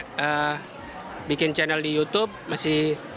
dulu awal awal epen cupen mulai di youtube itu masih bagus